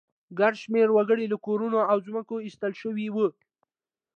ګڼ شمېر وګړي له کورونو او ځمکو ایستل شوي وو